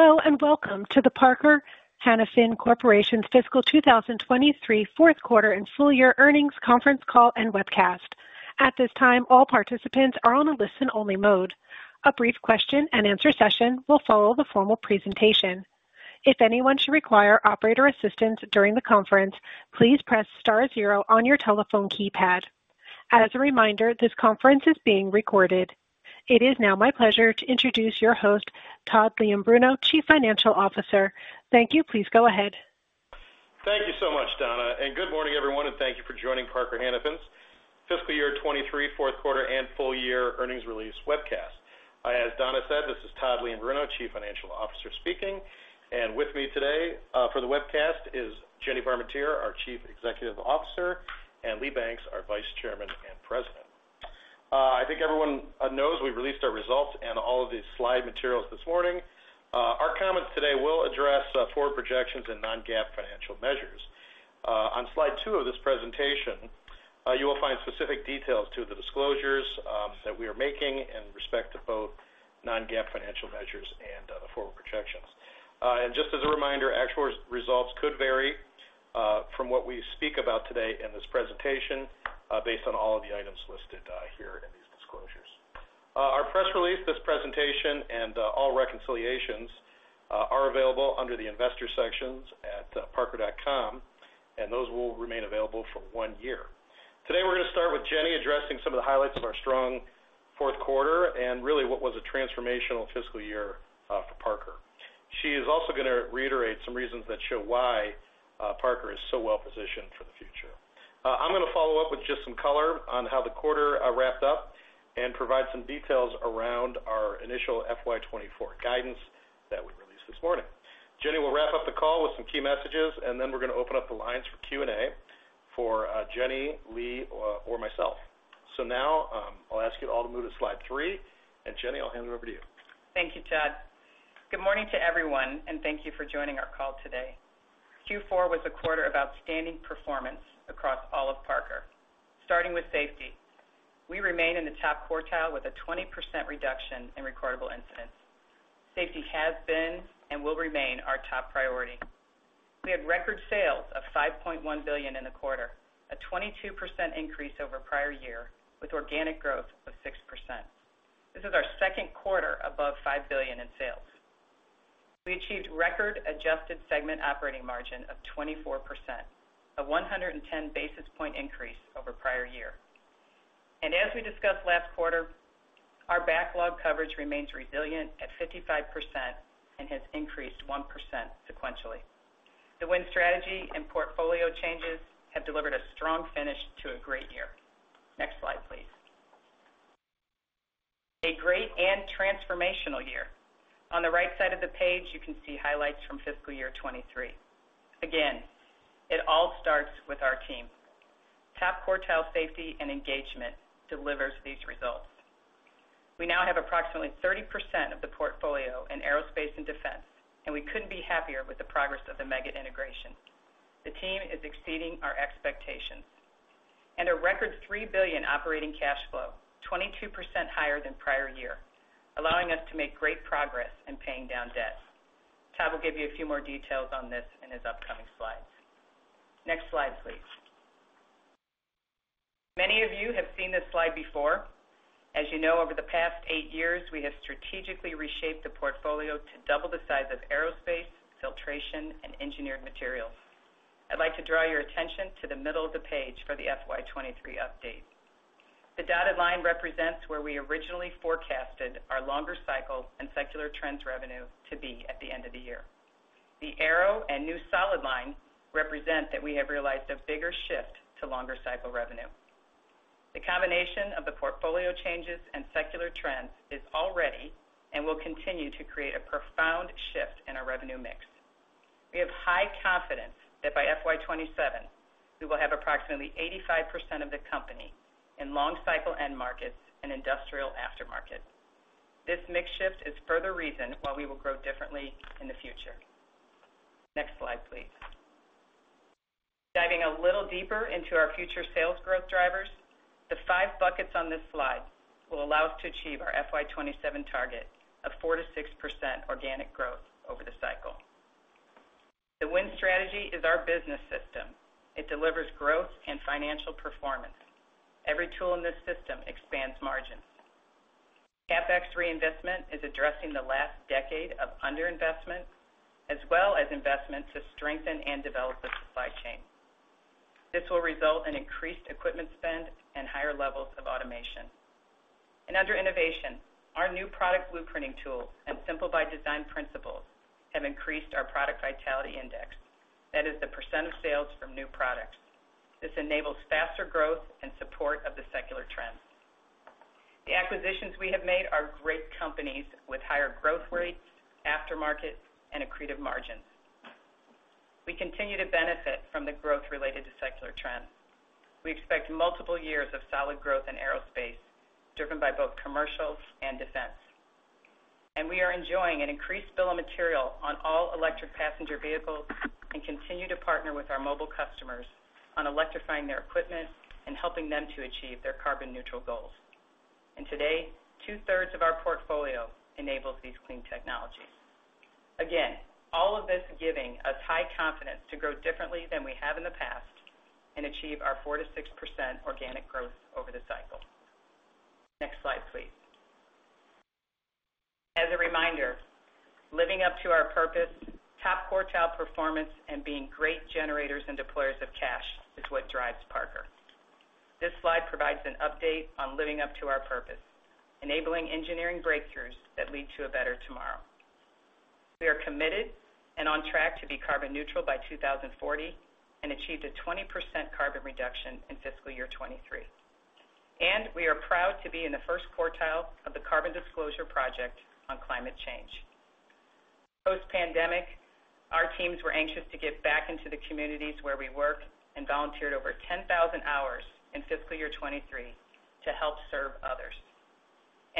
Hello, welcome to the Parker Hannifin Corporation's Fiscal 2023 Fourth Quarter and Full Year Earnings Conference Call and Webcast. At this time, all participants are on a listen-only mode. A brief question-and-answer session will follow the formal presentation. If anyone should require operator assistance during the conference, please press star zero on your telephone keypad. As a reminder, this conference is being recorded. It is now my pleasure to introduce your host, Todd Leombruno, Chief Financial Officer. Thank you. Please go ahead. Thank you so much, Donna, good morning, everyone, and thank you for joining Parker Hannifin's Fiscal Year 2023 Fourth Quarter and Full Year Earnings Release Webcast. As Donna said, this is Todd Leombruno, Chief Financial Officer speaking, and with me today, for the webcast is Jennifer Parmentier, our Chief Executive Officer, and Lee Banks, our Vice Chairman and President. I think everyone knows we've released our results and all of these slide materials this morning. Our comments today will address forward projections and non-GAAP financial measures. On slide 2 of this presentation, you will find specific details to the disclosures that we are making in respect to both non-GAAP financial measures and the forward projections. Just as a reminder, actual results could vary from what we speak about today in this presentation, based on all of the items listed here in these disclosures. Our press release, this presentation and all reconciliations are available under the Investor sections at parker.com, and those will remain available for one year. Today, we're gonna start with Jenny addressing some of the highlights of our strong fourth quarter and really what was a transformational fiscal year for Parker. She is also gonna reiterate some reasons that show why Parker is so well positioned for the future. I'm gonna follow up with just some color on how the quarter wrapped up and provide some details around our initial FY '24 guidance that we released this morning. Jenny will wrap up the call with some key messages, and then we're gonna open up the lines for Q&A for Jenny, Lee, or, or myself. Now, I'll ask you all to move to slide three, and Jenny, I'll hand it over to you. Thank you, Todd. Good morning to everyone, thank you for joining our call today. Q4 was a quarter of outstanding performance across all of Parker. Starting with safety, we remain in the top quartile with a 20% reduction in recordable incidents. Safety has been and will remain our top priority. We had record sales of $5.1 billion in the quarter, a 22% increase over prior year, with organic growth of 6%. This is our second quarter above $5 billion in sales. We achieved record adjusted segment operating margin of 24%, a 110 basis point increase over prior year. As we discussed last quarter, our backlog coverage remains resilient at 55% and has increased 1% sequentially. The Win Strategy and portfolio changes have delivered a strong finish to a great year. Next slide, please. A great and transformational year. On the right side of the page, you can see highlights from fiscal year 2023. It all starts with our team. Top quartile safety and engagement delivers these results. We now have approximately 30% of the portfolio in Aerospace and Defense, and we couldn't be happier with the progress of the Meggitt integration. The team is exceeding our expectations. A record $3 billion operating cash flow, 22% higher than prior year, allowing us to make great progress in paying down debt. Todd will give you a few more details on this in his upcoming slides. Next slide, please. Many of you have seen this slide before. As you know, over the past eight years, we have strategically reshaped the portfolio to double the size of Aerospace, Filtration, and Engineered Materials. I'd like to draw your attention to the middle of the page for the FY '23 update. The dotted line represents where we originally forecasted our longer cycle and secular trends revenue to be at the end of the year. The arrow and new solid line represent that we have realized a bigger shift to longer cycle revenue. The combination of the portfolio changes and secular trends is already and will continue to create a profound shift in our revenue mix. We have high confidence that by FY '27, we will have approximately 85% of the company in long cycle end markets and industrial aftermarket. This mix shift is further reason why we will grow differently in the future. Next slide, please. Diving a little deeper into our future sales growth drivers, the 5 buckets on this slide will allow us to achieve our FY '27 target of 4%-6% organic growth over the cycle. The Win Strategy is our business system. It delivers growth and financial performance. Every tool in this system expands margins. CapEx reinvestment is addressing the last decade of underinvestment, as well as investment to strengthen and develop the supply chain. This will result in increased equipment spend and higher levels of automation. Under innovation, our New Product Blueprinting tools and Simple by Design principles have increased our Product Vitality Index. That is the percentage of sales from new products. This enables faster growth in support of the secular trends. The acquisitions we have made are great companies with higher growth rates, aftermarket, and accretive margins. We continue to benefit from the growth related to secular trends. We expect multiple years of solid growth in Aerospace, driven by both Commercials and Defense. We are enjoying an increased bill of material on all electric passenger vehicles and continue to partner with our mobile customers on electrifying their equipment and helping them to achieve their carbon neutral goals. Today, 2/3 of our portfolio enables these clean technologies. Again, all of this giving us high confidence to grow differently than we have in the past and achieve our 4%-6% organic growth over the cycle. Next slide, please. As a reminder, living up to our purpose, top quartile performance, and being great generators and deployers of cash is what drives Parker. This slide provides an update on living up to our purpose, enabling engineering breakthroughs that lead to a better tomorrow. We are committed and on track to be carbon neutral by 2040, achieved a 20% carbon reduction in fiscal year 2023. We are proud to be in the first quartile of the Carbon Disclosure Project on climate change. Post-pandemic, our teams were anxious to get back into the communities where we work and volunteered over 10,000 hours in fiscal year 2023 to help serve others.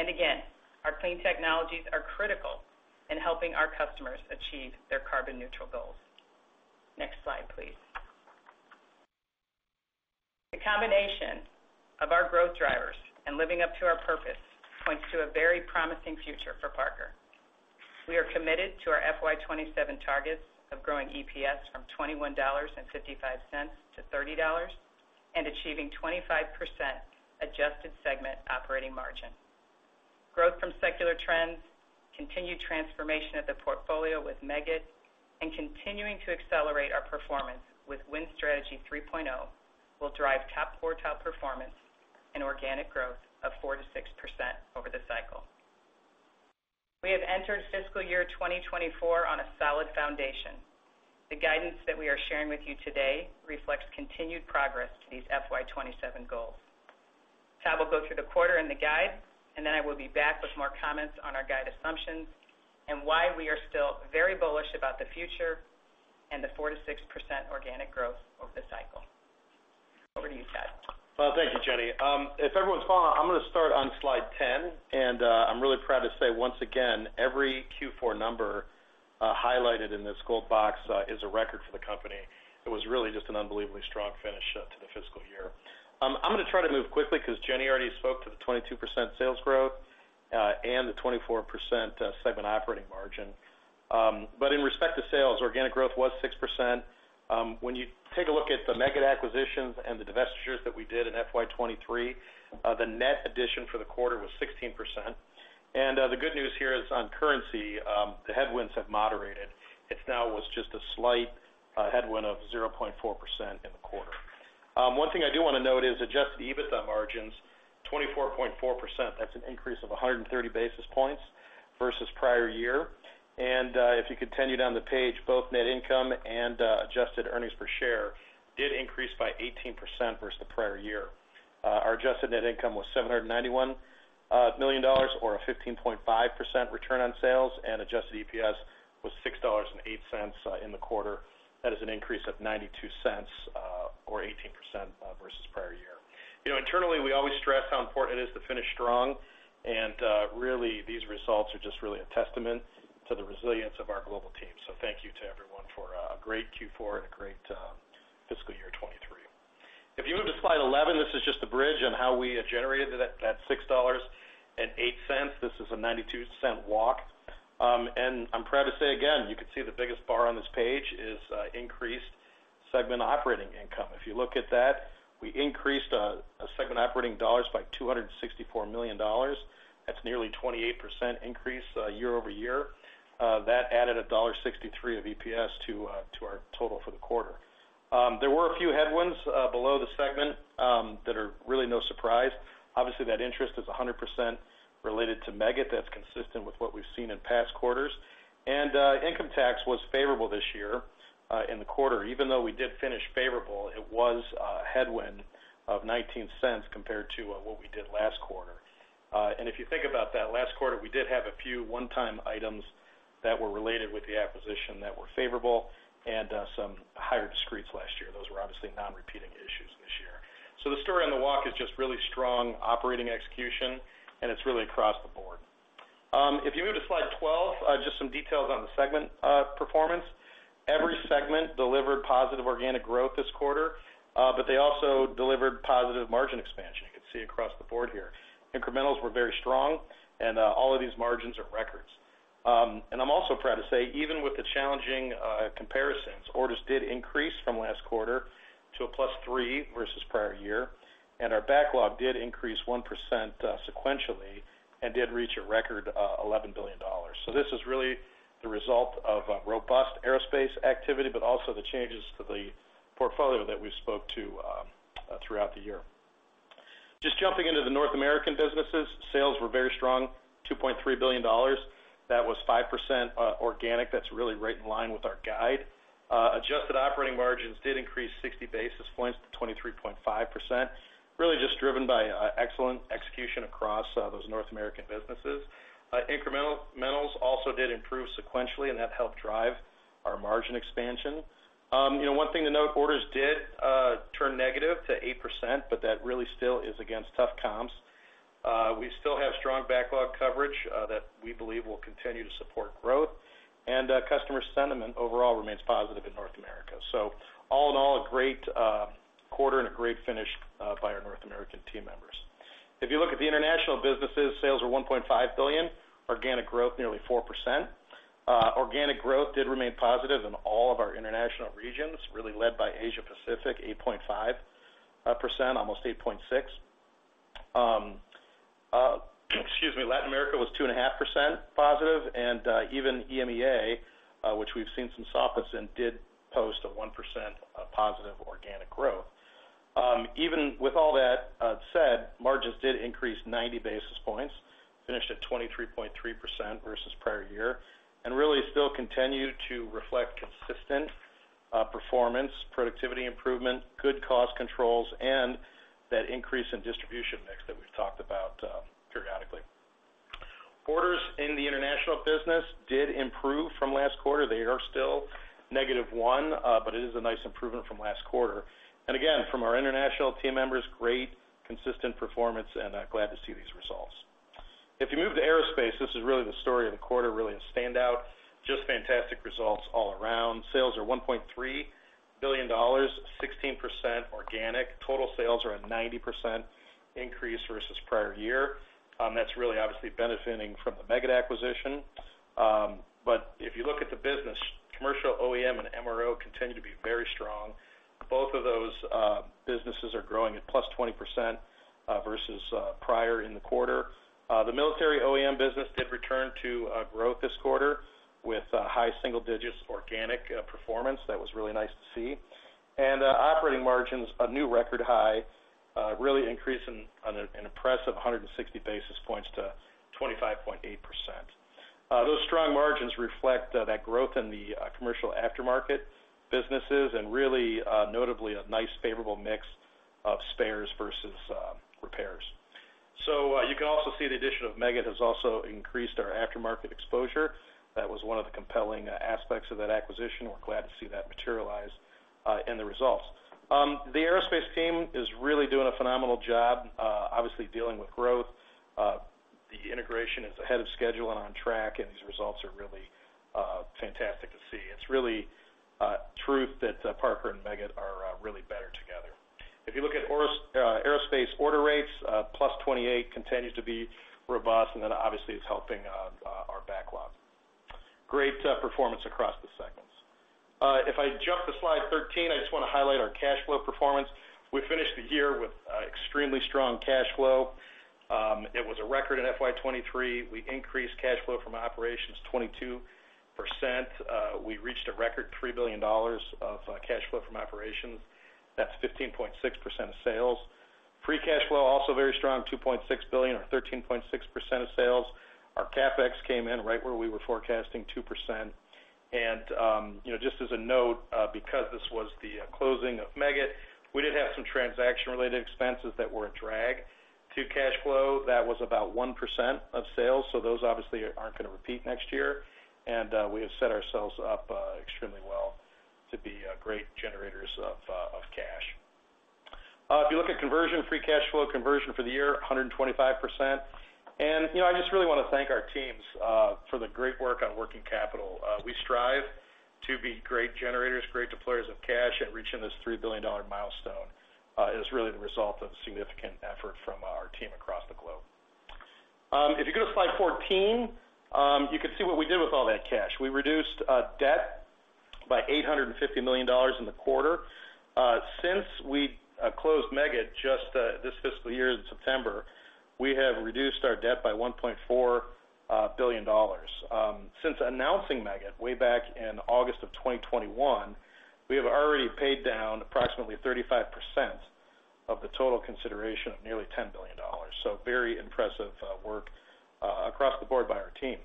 Again, our clean technologies are critical in helping our customers achieve their carbon neutral goals. Next slide, please. The combination of our growth drivers and living up to our purpose points to a very promising future for Parker. We are committed to our FY '27 targets of growing EPS from $21.55 to $30 and achieving 25% adjusted segment operating margin. Growth from secular trends, continued transformation of the portfolio with Meggitt, continuing to accelerate our performance with Win Strategy 3.0, will drive top quartile performance and organic growth of 4%-6% over the cycle. We have entered fiscal year 2024 on a solid foundation. The guidance that we are sharing with you today reflects continued progress to these FY '27 goals. Todd will go through the quarter and the guide. Then I will be back with more comments on our guide assumptions and why we are still very bullish about the future and the 4%-6% organic growth over the cycle. Over to you, Todd. Well, thank you, Jenny. If everyone's following, I'm going to start on slide 10, I'm really proud to say once again, every Q4 number highlighted in this gold box is a record for the company. It was really just an unbelievably strong finish to the fiscal year. I'm going to try to move quickly because Jenny already spoke to the 22% sales growth and the 24% segment operating margin. In respect to sales, organic growth was 6%. When you take a look at the Meggitt acquisitions and the divestitures that we did in FY '23, the net addition for the quarter was 16%. The good news here is on currency. The headwinds have moderated. It now was just a slight headwind of 0.4% in the quarter. One thing I do want to note is Adjusted EBITDA margins, 24.4%. That's an increase of 130 basis points versus prior year. If you continue down the page, both net income and adjusted EPS did increase by 18% versus the prior year. Our adjusted net income was $791 million, or a 15.5% return on sales, and adjusted EPS was $6.08 in the quarter. That is an increase of $0.92, or 18%, versus prior year. You know, internally, we always stress how important it is to finish strong, and really, these results are just really a testament to the resilience of our global team. Thank you to everyone for a great Q4 and a great fiscal year 2023. If you move to slide 11, this is just a bridge on how we have generated that $6.08. This is a $0.92 walk. And I'm proud to say again, you can see the biggest bar on this page is increased segment operating income. If you look at that, we increased segment operating dollars by $264 million. That's nearly 28% increase year-over-year. That added $1.63 of EPS to our total for the quarter. There were a few headwinds below the segment that are really no surprise. Obviously, that interest is 100% related to Meggitt. That's consistent with what we've seen in past quarters. Income tax was favorable this year in the quarter. Even though we did finish favorable, it was a headwind of $0.19 compared to what we did last quarter. If you think about that, last quarter, we did have a few one-time items that were related with the acquisition that were favorable and some higher discretes last year. Those were obviously non-repeating issues this year. The story on the walk is just really strong operating execution, and it's really across the board. If you move to slide 12, just some details on the segment performance. Every segment delivered positive organic growth this quarter, but they also delivered positive margin expansion. You can see across the board here. Incrementals were very strong, and all of these margins are records. I'm also proud to say, even with the challenging comparisons, orders did increase from last quarter to a +3 versus prior year, our backlog did increase 1% sequentially and did reach a record $11 billion. This is really the result of a robust Aerospace activity, but also the changes to the portfolio that we spoke to throughout the year. Just jumping into the North American businesses, sales were very strong, $2.3 billion. That was 5% organic. That's really right in line with our guide. Adjusted operating margins did increase 60 basis points to 23.5%, really just driven by excellent execution across those North American businesses. Incrementals also did improve sequentially, that helped drive our margin expansion. You know, one thing to note, orders did turn negative to 8%, that really still is against tough comps. We still strong backlog coverage that we believe will continue to support growth. Customer sentiment overall remains positive in North America. All in all, a great quarter and a great finish by our North American team members. You look at the international businesses, sales are $1.5 billion, organic growth, nearly 4%. Organic growth did remain positive in all of our international regions, really led by Asia Pacific, 8.5%, almost 8.6. Excuse me, Latin America was +2.5%, even EMEA, which we've seen some softness in, did post a +1% organic growth. Even with all that said, margins did increase 90 basis points, finished at 23.3% versus prior year, and really still continue to reflect consistent performance, productivity improvement, good cost controls, and that increase in distribution mix that we've talked about periodically. Orders in the international business did improve from last quarter. They are still -1, but it is a nice improvement from last quarter. And again, from our international team members, great, consistent performance, and glad to see these results. If you move to Aerospace, this is really the story of the quarter, really a standout. Just fantastic results all around. Sales are $1.3 billion, 16% organic. Total sales are a 90% increase versus prior year. That's really obviously benefiting from the Meggitt acquisition. If you look at the business, Commercial OEM and MRO continue to be very strong. Both of those businesses are growing at +20% versus prior in the quarter. The Military OEM business did return to growth this quarter with high single-digits organic performance. That was really nice to see. Operating margins, a new record high, really increasing on an impressive 160 basis points to 25.8%. Those strong margins reflect that growth in the Commercial aftermarket businesses and really, notably, a nice, favorable mix of spares versus repairs. You can also see the addition of Meggitt has also increased our aftermarket exposure. That was one of the compelling aspects of that acquisition. We're glad to see that materialize in the results. The Aerospace team is really doing a phenomenal job, obviously dealing with growth. The integration is ahead of schedule and on track. These results are really fantastic to see. It's really true that Parker and Meggitt are really better together. If you look at Aerospace order rates, +28 continues to be robust, and obviously it's helping our backlog. Great performance across the segments. If I jump to slide 13, I just wanna highlight our cash flow performance. We finished the year with extremely strong cash flow. It was a record in FY '23. We increased cash flow from operations, 22%. We reached a record $3 billion of cash flow from operations. That's 15.6% of sales. Free cash flow, also very strong, $2.6 billion, or 13.6% of sales. Our CapEx came in right where we were forecasting, 2%. You know, just as a note, because this was the closing of Meggitt, we did have some transaction-related expenses that were a drag to cash flow. That was about 1% of sales, so those obviously aren't gonna repeat next year. We have set ourselves up extremely well to be great generators of cash. If you look at conversion, free cash flow conversion for the year, 125%. You know, I just really wanna thank our teams for the great work on working capital. We strive to be great generators, great deployers of cash, and reaching this $3 billion milestone is really the result of significant effort from our team across the globe. If you go to slide 14, you can see what we did with all that cash. We reduced debt by $850 million in the quarter. Since we closed Meggitt just this fiscal year in September, we have reduced our debt by $1.4 billion. Since announcing Meggitt, way back in August of 2021, we have already paid down approximately 35% of the total consideration of nearly $10 billion. Very impressive work across the board by our team.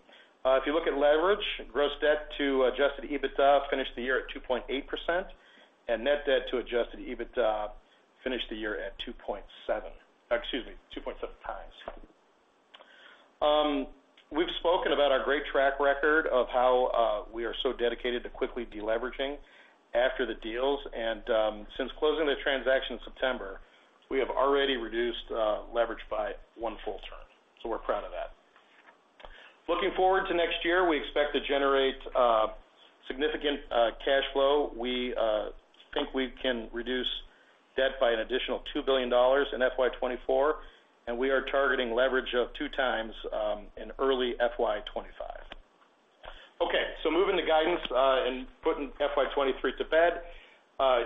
If you look at leverage, Gross Debt to Adjusted EBITDA finished the year at 2.8%, and Net Debt to Adjusted EBITDA finished the year at 2.7, excuse me, 2.7x. We've spoken about our great track record of how we are so dedicated to quickly deleveraging after the deals, and since closing the transaction in September, we have already reduced leverage by one full turn, so we're proud of that. Looking forward to next year, we expect to generate significant cash flow. We think we can reduce debt by an additional $2 billion in FY '24, and we are targeting leverage of 2x in early FY '25. Moving to guidance, and putting FY '23 to bed,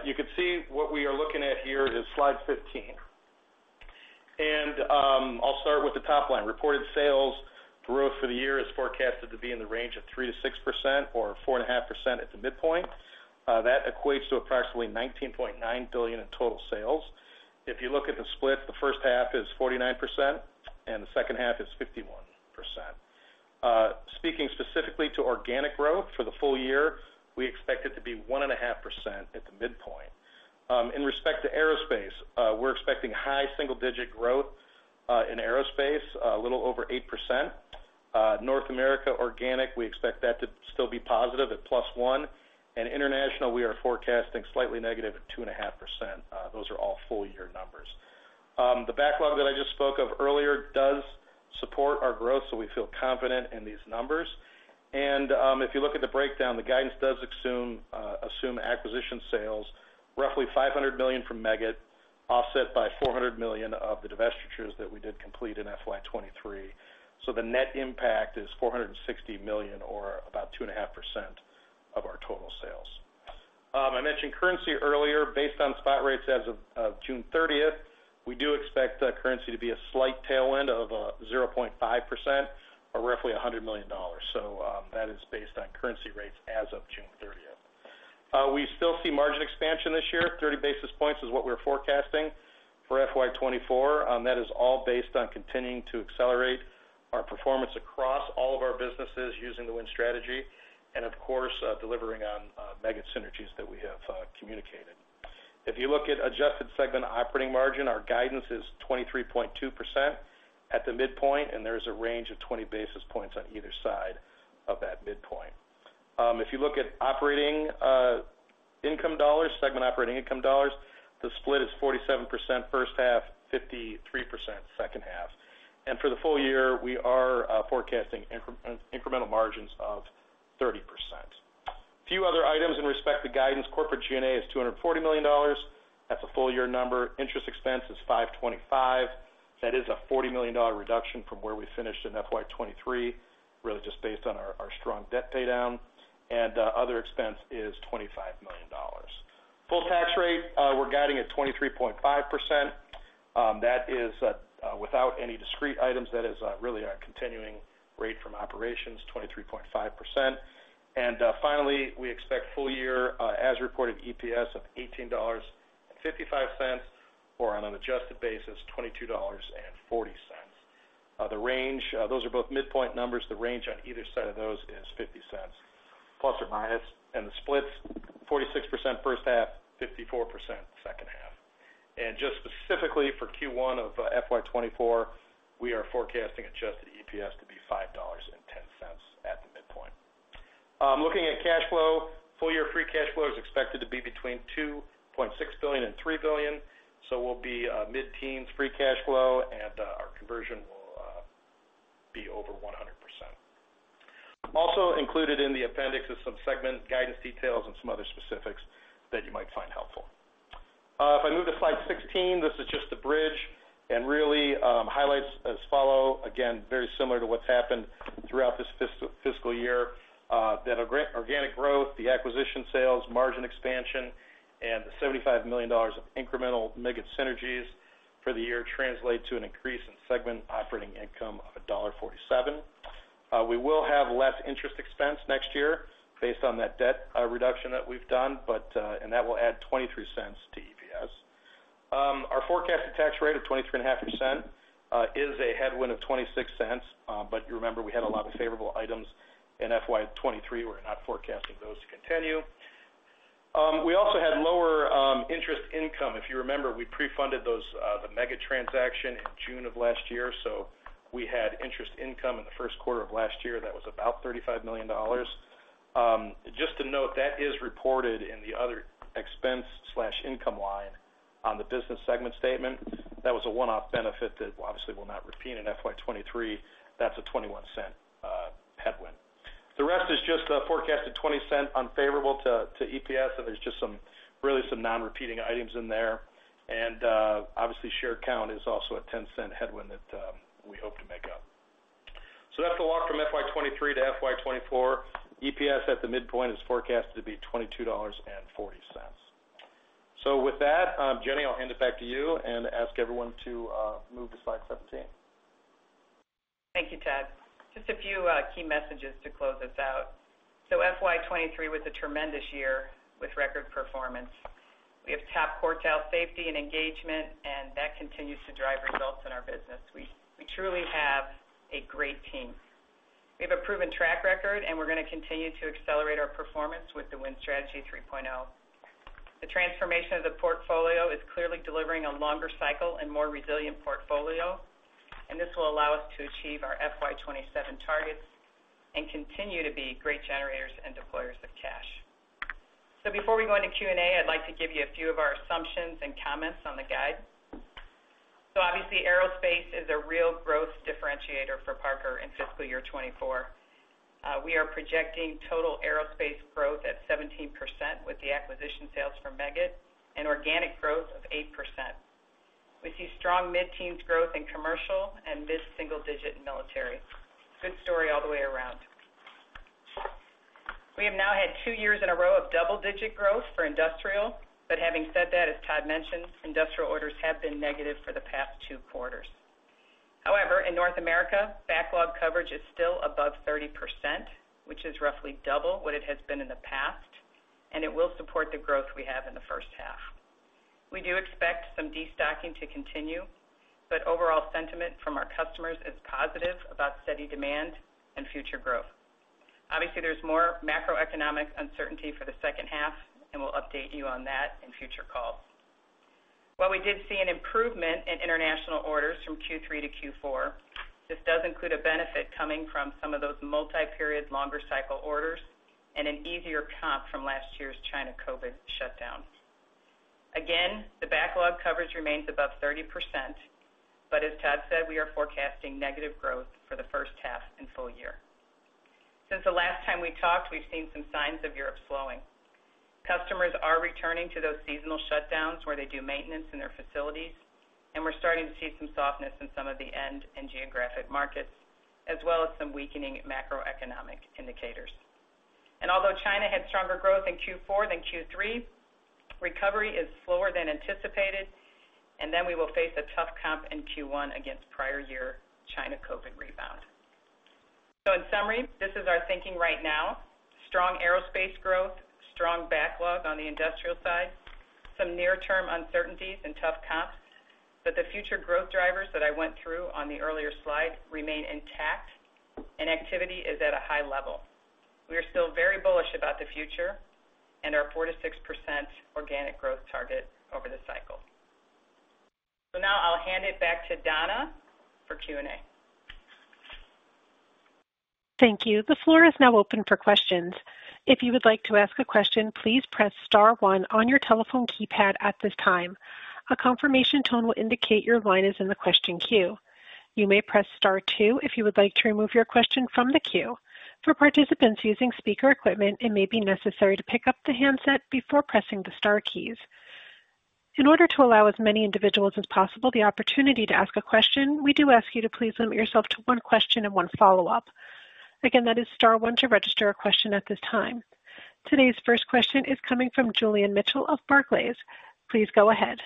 you can see what we are looking at here is slide 15. I'll start with the top line. Reported sales growth for the year is forecasted to be in the range of 3%-6% or 4.5% at the midpoint. That equates to approximately $19.9 billion in total sales. If you look at the split, the first half is 49%, and the second half is 51%. Speaking specifically to organic growth for the full year, we expect it to be 1.5% at the midpoint. In respect to Aerospace, we're expecting high single-digit growth in Aerospace, a little over 8%. North America organic, we expect that to still be positive at +1%. International, we are forecasting slightly negative at 2.5%. Those are all full year numbers. The backlog that I just spoke of earlier does support our growth, we feel confident in these numbers. If you look at the breakdown, the guidance does assume acquisition sales, roughly $500 million from Meggitt, offset by $400 million of the divestitures that we did complete in FY '23. The net impact is $460 million, or about 2.5% of our total sales. I mentioned currency earlier. Based on spot rates as of June 30th, we do expect currency to be a slight tailwind of 0.5% or roughly $100 million. That is based on currency rates as of June 30th. We still see margin expansion this year. 30 basis points is what we're forecasting for FY '24. That is all based on continuing to accelerate our performance across all of our businesses using the Win Strategy and, of course, delivering on Meggitt synergies that we have communicated. If you look at adjusted segment operating margin, our guidance is 23.2% at the midpoint, and there is a range of 20 basis points on either side of that midpoint. If you look at operating income dollars, segment operating income dollars, the split is 47% first half, 53% second half. For the full year, we are forecasting incremental margins of 30%. A few other items in respect to guidance. Corporate G&A is $240 million. That's a full year number. Interest expense is $525. That is a $40 million reduction from where we finished in FY '23, really just based on our strong debt paydown. Other expense is $25 million. Full tax rate, we're guiding at 23.5%. That is without any discrete items. That is really our continuing rate from operations, 23.5%. Finally, we expect full year as reported EPS of $18.55, or on an adjusted basis, $22.40. The range, those are both midpoint numbers. The range on either side of those is $0.50, ±. The splits, 46% first half, 54% second half. Just specifically for Q1 of FY '24, we are forecasting adjusted EPS to be $5.10 at the midpoint. Looking at cash flow, full year free cash flow is expected to be between $2.6 billion and $3 billion, we'll be mid-teens free cash flow, our conversion will be over 100%. Also included in the appendix is some segment guidance details and some other specifics that you might find helpful. If I move to slide 16, this is just the bridge, really highlights as follow. Again, very similar to what's happened throughout this fiscal year, that organic growth, the acquisition sales, margin expansion, and the $75 million of incremental Meggitt synergies for the year translate to an increase in segment operating income of $1.47. We will have less interest expense next year based on that debt reduction that we've done- that will add $0.23 to EPS. Our forecasted tax rate of 23.5% is a headwind of $0.26. You remember, we had a lot of favorable items in FY '23. We're not forecasting those to continue. We also had lower interest income. If you remember, we pre-funded those, the Meggitt transaction in June of last year, so we had interest income in the Q1 of last year. That was about $35 million. Just to note, that is reported in the other expense slash income line on the business segment statement. That was a one-off benefit that obviously will not repeat in FY '23. That's a $0.21 headwind. The rest is just a forecasted $0.20 unfavorable to, to EPS, and there's just some, really some non-repeating items in there. Obviously, share count is also a $0.10 headwind that we hope to make up. That's the walk from FY '23 to FY '24. EPS at the midpoint is forecasted to be $22.40. With that, Jenny, I'll hand it back to you and ask everyone to move to slide 17. Thank you, Todd. Just a few key messages to close us out. FY '23 was a tremendous year with record performance. We have top quartile safety and engagement, and that continues to drive results in our business. We, we truly have a great team. We have a proven track record, and we're going to continue to accelerate our performance with the Win Strategy 3.0. The transformation of the portfolio is clearly delivering a longer cycle and more resilient portfolio, and this will allow us to achieve our FY '27 targets and continue to be great generators and deployers of cash. Before we go into Q&A, I'd like to give you a few of our assumptions and comments on the guide. Obviously, Aero is a real growth differentiator for Parker in fiscal year '24. We are projecting total Aerospace growth at 17%, with the acquisition sales from Meggitt, and organic growth of 8%. We see strong mid-teens growth in Commercial and mid-single digit in Military. Good story all the way around. We have now had 2 years in a row of double-digit growth for industrial, but having said that, as Todd mentioned, industrial orders have been negative for the past 2 quarters. However, in North America, backlog coverage is still above 30%, which is roughly double what it has been in the past, and it will support the growth we have in the first half. We do expect some destocking to continue, but overall sentiment from our customers is positive about steady demand and future growth. Obviously, there's more macroeconomic uncertainty for the second half, and we'll update you on that in future calls. While we did see an improvement in international orders from Q3 to Q4, this does include a benefit coming from some of those multi-period longer cycle orders and an easier comp from last year's China COVID shutdown. The backlog coverage remains above 30%, but as Todd said, we are forecasting negative growth for the first half and full year. Since the last time we talked, we've seen some signs of Europe slowing. Customers are returning to those seasonal shutdowns, where they do maintenance in their facilities, and we're starting to see some softness in some of the end and geographic markets, as well as some weakening macroeconomic indicators. Although China had stronger growth in Q4 than Q3, recovery is slower than anticipated, and then we will face a tough comp in Q1 against prior year China COVID rebound. In summary, this is our thinking right now- strong Aerospace growth, strong backlog on the industrial side, some near-term uncertainties and tough comps, but the future growth drivers that I went through on the earlier slide remain intact, and activity is at a high level. We are still very bullish about the future and our 4%-6% organic growth target over the cycle. Now I'll hand it back to Donna for Q&A. Thank you. The floor is now open for questions. If you would like to ask a question, please press star one on your telephone keypad at this time. A confirmation tone will indicate your line is in the question queue. You may press star two if you would like to remove your question from the queue. For participants using speaker equipment, it may be necessary to pick up the handset before pressing the star keys. In order to allow as many individuals as possible, the opportunity to ask a question, we do ask you to please limit yourself to one question and one follow-up. Again, that is star one to register a question at this time. Today's first question is coming from Julian Mitchell of Barclays. Please go ahead.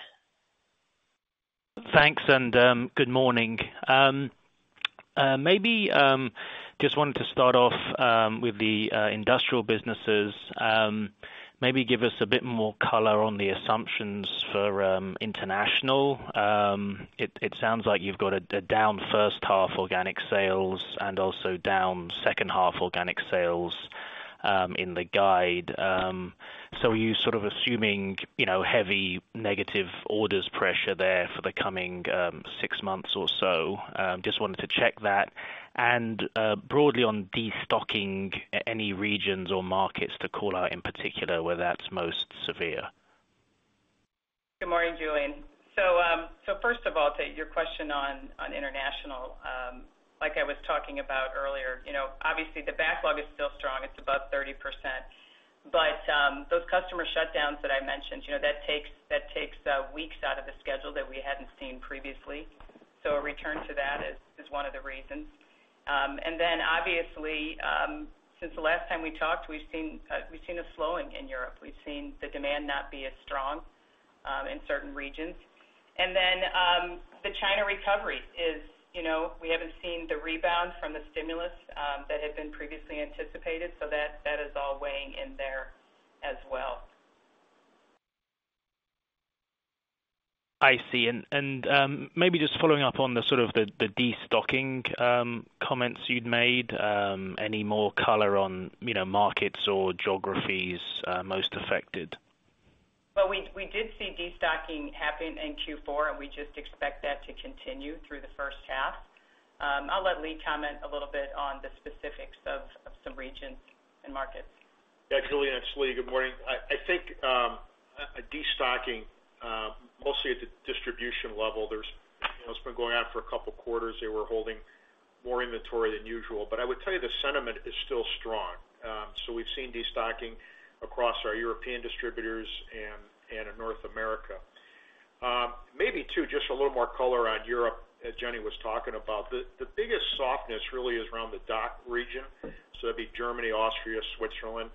Thanks, and good morning. Maybe just wanted to start off with the industrial businesses. Maybe give us a bit more color on the assumptions for international. It sounds like you've got a down first half organic sales and also down second half organic sales in the guide. Are you sort of assuming, you know, heavy negative orders pressure there for the coming 6 months or so? Just wanted to check that. Broadly on destocking, any regions or markets to call out in particular, where that's most severe? Good morning, Julian. First of all, to your question on international, like I was talking about earlier, you know, obviously the backlog is still strong, it's above 30%. Those customer shutdowns that I mentioned, you know, that takes weeks out of the schedule that we hadn't seen previously. A return to that is one of the reasons. Obviously, since the last time we talked, we've seen a slowing in Europe. We've seen the demand not be as strong in certain regions. The China recovery is, you know, we haven't seen the rebound from the stimulus that had been previously anticipated, so that is all weighing in there as well. I see. Maybe just following up on the sort of the, the destocking, comments you'd made, any more color on, you know, markets or geographies, most affected? Well, we, we did see destocking happen in Q4, and we just expect that to continue through the first half. I'll let Lee comment a little bit on the specifics of some regions and markets. Yeah, Julian, it's Lee. Good morning. I think, a destocking, mostly at the distribution level, there's, you know, it's been going on for 2 quarters. They were holding more inventory than usual. I would tell you the sentiment is still strong. We've seen destocking across our European distributors and, and in North America. Maybe too, just a little more color on Europe, as Jenny was talking about. The, the biggest softness really is around the DACH region, so that'd be Germany, Austria, Switzerland.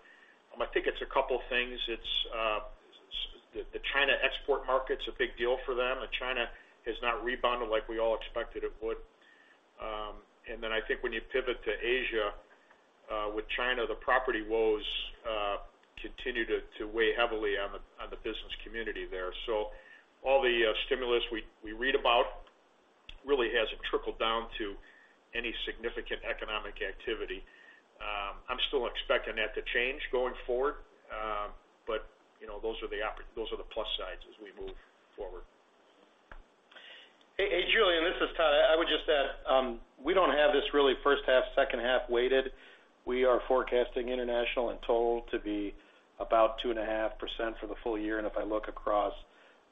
I think it's a couple of things. The China export market's a big deal for them, and China has not rebounded like we all expected it would. I think when you pivot to Asia, with China, the property woes continue to weigh heavily on the business community there. All the stimulus we read about really hasn't trickled down to any significant economic activity. I'm still expecting that to change going forward, you know, those are the those are the plus sides as we move forward. Hey- hey, Julian, this is Todd. I would just add, we don't have this really first half, second half weighted. We are forecasting international and total to be about 2.5% for the full year, and if I look across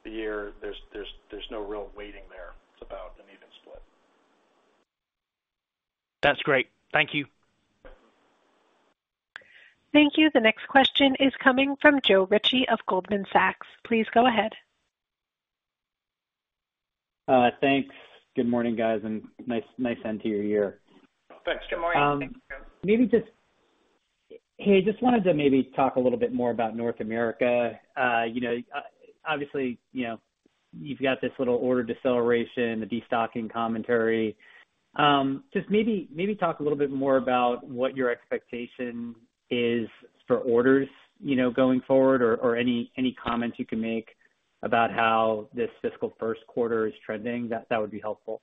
the year, there's no real weighting there. It's about an even split. That's great. Thank you. Thank you. The next question is coming from Joe Ritchie of Goldman Sachs. Please go ahead. Thanks. Good morning, guys. Nice, nice end to your year. Thanks. Good morning. Hey, just wanted to maybe talk a little bit more about North America. You know, obviously, you know, you've got this little order deceleration, the destocking commentary. Just maybe, maybe talk a little bit more about what your expectation is for orders, you know, going forward, or, or any, any comments you can make about how this fiscal Q1 is trending, that, that would be helpful.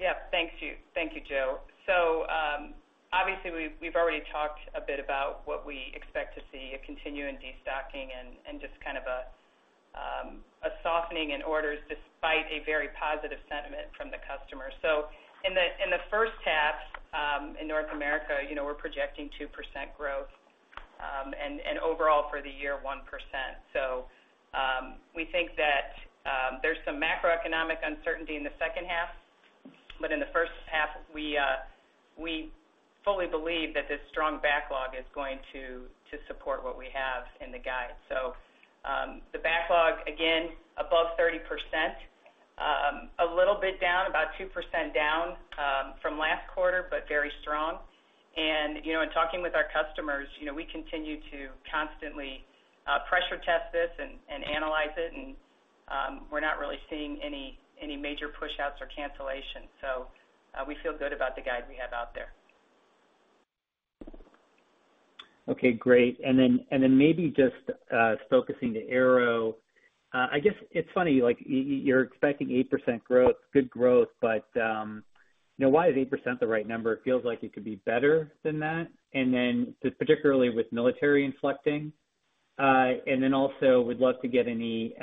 Yep, thanks you. Thank you, Joe. Obviously, we've, we've already talked a bit about what we expect to see, a continuing destocking and, and just kind of a- a softening in orders, despite a very positive sentiment from the customer. In the, in the first half, in North America, you know, we're projecting 2% growth, and, and overall for the year, 1%. We think that, there's some macroeconomic uncertainty in the second half, but in the first half, we, we fully believe that this strong backlog is going to, to support what we have in the guide. The backlog, again, above 30%, a little bit down, about 2% down, from last quarter, but very strong. You know, in talking with our customers, you know, we continue to constantly pressure test this and, and analyze it, and we're not really seeing any, any major pushouts or cancellations. We feel good about the guide we have out there. Okay, great. And then maybe just focusing to Aero. I guess it's funny, like, y- y- you're expecting 8% growth, good growth, but, you know, why is 8% the right number? It feels like it could be better than that. Particularly with Military inflecting. Also would love to get any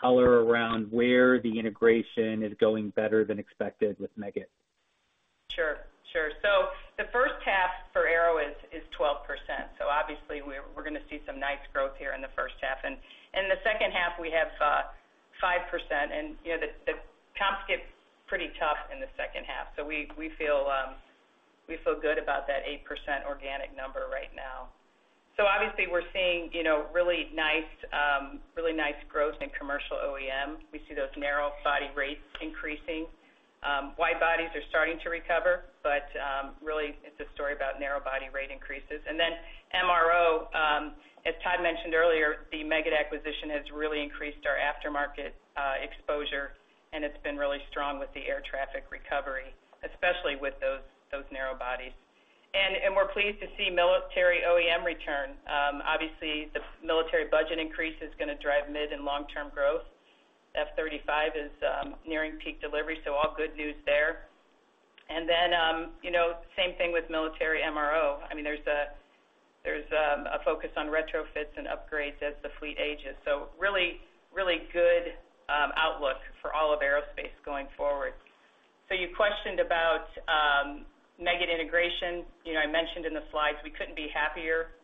color around where the integration is going better than expected with Meggitt. Sure, sure. The first half for Aero is, is 12%. Obviously, we're, we're gonna see some nice growth here in the first half. In the second half, we have 5%, and, you know, the, the comps get pretty tough in the second half. We feel good about that 8% organic number right now. Obviously, we're seeing, you know, really nice, really nice growth in Commercial OEM. We see those narrow body rates increasing. Wide bodies are starting to recover, but, really, it's a story about narrow body rate increases. Then MRO, as Todd mentioned earlier, the Meggitt acquisition has really increased our aftermarket exposure, and it's been really strong with the air traffic recovery, especially with those, those narrow bodies. And, and we're pleased to see Military OEM return. Obviously, the Military budget increase is gonna drive mid- and long-term growth. F-35 is, nearing peak delivery, so all good news there. Then, you know, same thing with Military MRO. I mean, there's a, there's a focus on retrofits and upgrades as the fleet ages. Really, really good outlook for all of Aerospace going forward. You questioned about Meggitt integration. You know, I mentioned in the slides, we couldn't be happier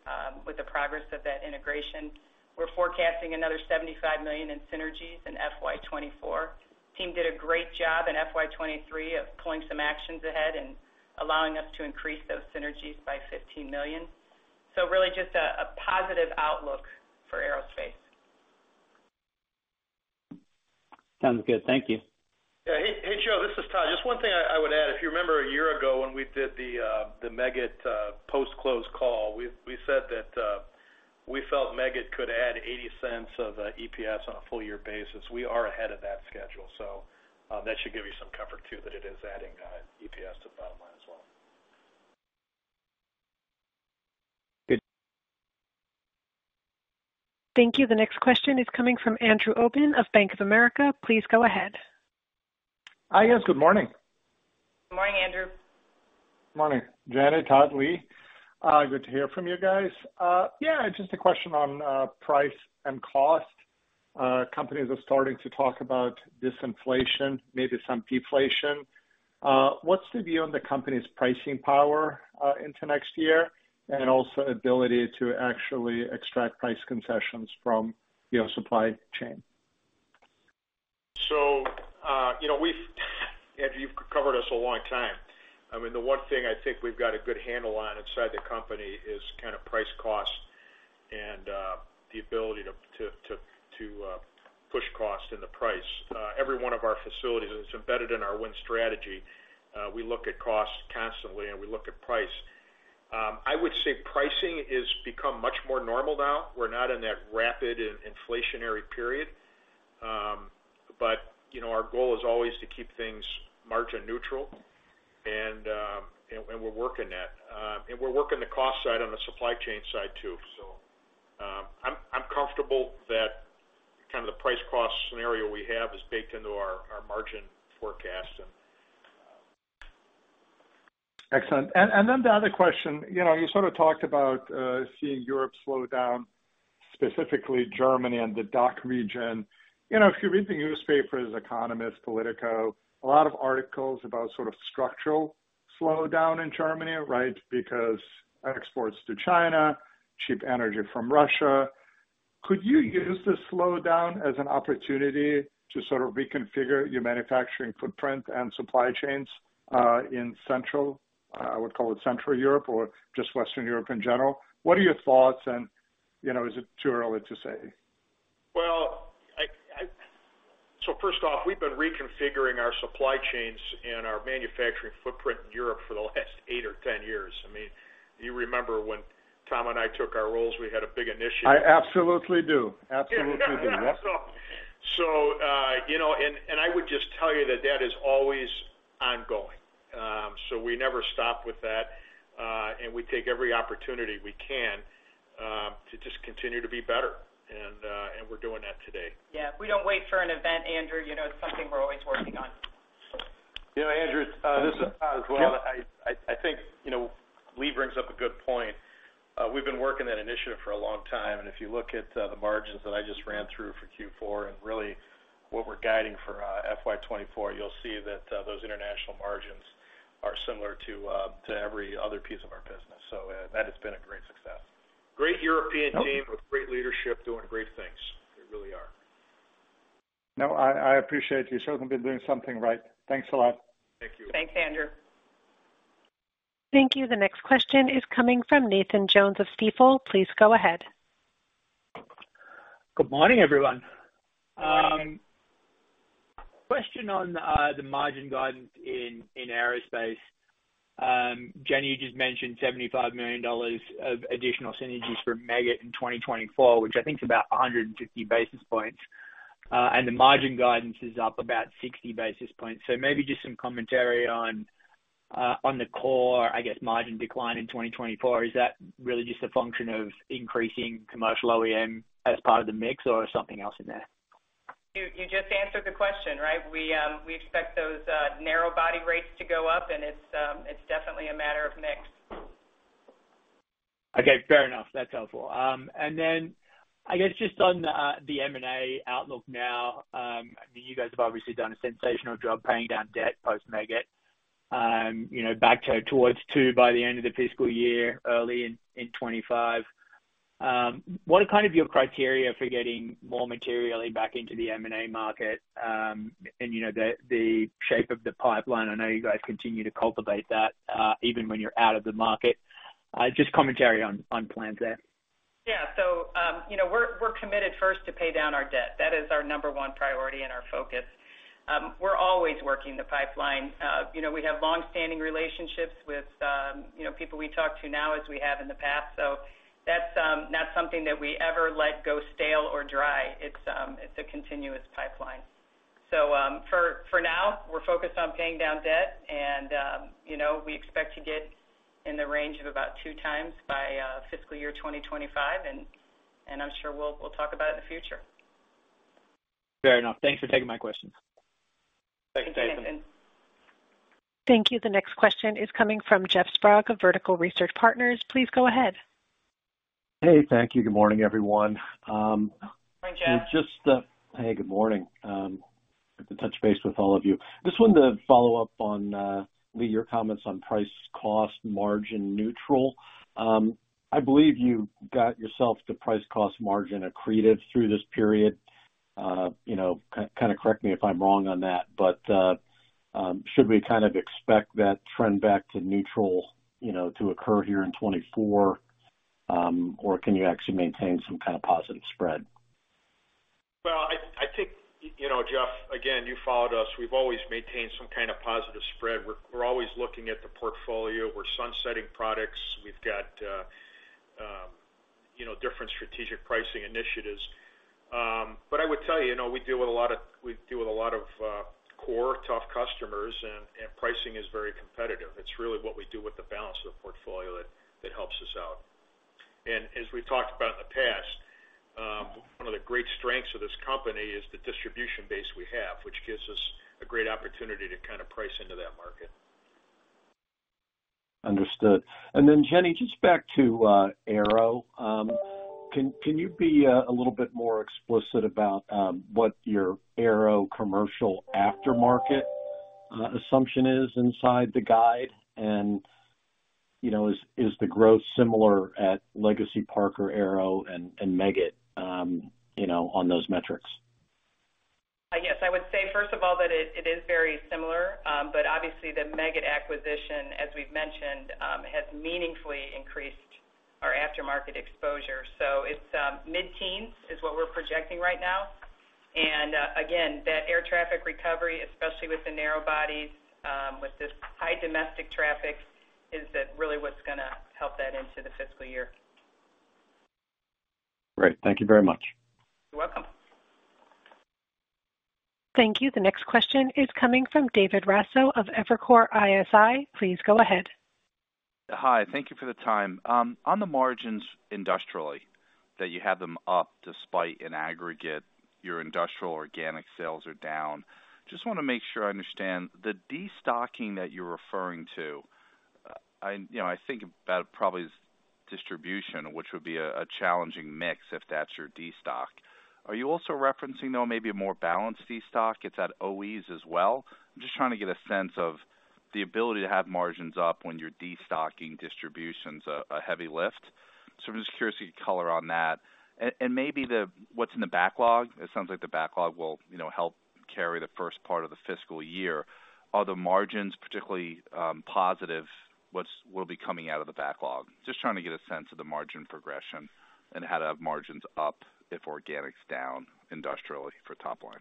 with the progress of that integration. We're forecasting another $75 million in synergies in FY '24. Team did a great job in FY '23 of pulling some actions ahead and allowing us to increase those synergies by $15 million. Really, just a positive outlook for Aerospace. Sounds good. Thank you. Yeah. Hey- hey, Joe, this is Todd. Just one thing I would add. If you remember a year ago when we did the Meggitt post-close call, we said that we felt Meggitt could add $0.80 of EPS on a full year basis. We are ahead of that schedule, so that should give you some comfort, too, that it is adding EPS to the bottom line as well. Good. Thank you. The next question is coming from Andrew Obin of Bank of America. Please go ahead. Hi, guys. Good morning. Good morning, Andrew. Morning, Jenny, Todd, Lee. Good to hear from you guys. Yeah, just a question on price and cost. Companies are starting to talk about disinflation, maybe some deflation. What's the view on the company's pricing power into next year, and also ability to actually extract price concessions from, you know, supply chain? You know, we've- Andrew, you've covered us a long time. I mean, the one thing I think we've got a good handle on inside the company is kind of price, cost, and the ability to push cost in the price. Every one of our facilities, and it's embedded in our Win Strategy, we look at cost constantly, and we look at price. I would say pricing has become much more normal now. We're not in that rapid in- inflationary period. You know, our goal is always to keep things margin neutral, and we're working that. We're working the cost side on the supply chain side, too. I'm comfortable that kind of the price cost scenario we have is baked into our margin forecast and Excellent. Then the other question, you know, you sort of talked about seeing Europe slow down, specifically Germany and the DACH region. You know, if you read the newspapers- The Economist, POLITICO- a lot of articles about sort of structural slowdown in Germany, right? Because exports to China, cheap energy from Russia. Could you use this slowdown as an opportunity to sort of reconfigure your manufacturing footprint and supply chains in Central, I would call it Central Europe or just Western Europe in general? What are your thoughts? You know, is it too early to say? Well, I- first off, we've been reconfiguring our supply chains and our manufacturing footprint in Europe for the last 8 or 10 years. I mean, you remember when Tom and I took our roles, we had a big initiative. I absolutely do. Absolutely do. You know, and, and I would just tell you that that is always ongoing. We never stop with that, and we take every opportunity we can to just continue to be better. And we're doing that today. Yeah, we don't wait for an event, Andrew. You know, it's something we're always working on. You know, Andrew, this is Todd as well. Yep. I, I think, you know, Lee Banks brings up a good point. We've been working that initiative for a long time, and if you look at the margins that I just ran through for Q4 and really what we're guiding for FY '24, you'll see that those international margins are similar to every other piece of our business. That has been a great success. Great European team with great leadership, doing great things. They really are. No, I, I appreciate you. Certainly been doing something right. Thanks a lot. Thank you. Thanks, Andrew. Thank you. The next question is coming from Nathan Jones of Stifel. Please go ahead. Good morning, everyone. Question on the margin guidance in Aerospace. Jenny, you just mentioned $75 million of additional synergies for Meggitt in 2024, which I think is about 150 basis points, and the margin guidance is up about 60 basis points. Maybe just some commentary on on the core, I guess, margin decline in 2024. Is that really just a function of increasing Commercial OEM as part of the mix or something else in there? You, you just answered the question, right? We, we expect those, narrow body rates to go up, and it's, it's definitely a matter of mix. Okay, fair enough. That's helpful. And then I guess just on the M&A outlook now, you guys have obviously done a sensational job paying down debt post-Meggitt. You know, back toward 2x by the end of the fiscal year, early in 2025. What are kind of your criteria for getting more materially back into the M&A market? And you know, the, the shape of the pipeline, I know you guys continue to cultivate that even when you're out of the market. Just commentary on plans there. Yeah. You know, we're, we're committed first to pay down our debt. That is our number 1 priority and our focus. We're always working the pipeline. You know, we have long-standing relationships with, you know, people we talk to now as we have in the past. That's not something that we ever let go stale or dry. It's, it's a continuous pipeline. For, for now, we're focused on paying down debt and, you know, we expect to get in the range of about 2x by fiscal year 2025, and, and I'm sure we'll, we'll talk about it in the future. Fair enough. Thanks for taking my questions. Thank you, Nathan. Thank you. The next question is coming from Jeff Sprague of Vertical Research Partners. Please go ahead. Hey, thank you. Good morning, everyone. Good morning, Jeff. Just- hey, good morning. Good to touch base with all of you. Just wanted to follow up on Lee, your comments on price, cost, margin neutral. I believe you got yourself to price, cost, margin accretive through this period. You know, kind of correct me if I'm wrong on that, but should we kind of expect that trend back to neutral, you know, to occur here in 2024? Or can you actually maintain some kind of positive spread? Well, I, I think- you know, Jeff, again, you followed us. We've always maintained some kind of positive spread. We're, we're always looking at the portfolio. We're sunsetting products. We've got, you know, different strategic pricing initiatives. I would tell you, you know, we deal with a lot of, we deal with a lot of, core, tough customers, and, and pricing is very competitive. It's really what we do with the balance of the portfolio that, that helps us out. As we've talked about in the past, one of the great strengths of this company is the distribution base we have, which gives us a great opportunity to kind of price into that market. Understood. Jenny, just back to Aero. Can you be a little bit more explicit about what your Aero-Commercial aftermarket assumption is inside the guide? You know, is the growth similar at Legacy Parker Aero and Meggitt, you know, on those metrics? I guess I would say, first of all, that it, it is very similar. Obviously the Meggitt acquisition, as we've mentioned, has meaningfully increased our aftermarket exposure. It's mid-teens is what we're projecting right now. Again, that air traffic recovery, especially with the narrow bodies, with this high domestic traffic, is that really what's gonna help that into the fiscal year. Great. Thank you very much. You're welcome. Thank you. The next question is coming from David Raso of Evercore ISI. Please go ahead. Hi. Thank you for the time. On the margins industrially, that you have them up despite in aggregate, your industrial organic sales are down. Just want to make sure I understand, the destocking that you're referring to- I, you know, I think that probably is distribution, which would be a, a challenging mix if that's your destock. Are you also referencing, though, maybe a more balanced destock it's at OEs as well? I'm just trying to get a sense of the ability to have margins up when you're destocking distribution's a, a heavy lift. I'm just curious if you could color on that. And maybe what's in the backlog. It sounds like the backlog will, you know, help carry the first part of the fiscal year. Are the margins particularly positive, will be coming out of the backlog? Just trying to get a sense of the margin progression and how to have margins up if organic's down industrially for top line.